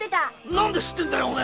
何で知ってるんだ？